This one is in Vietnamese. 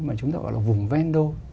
mà chúng ta gọi là vùng vendô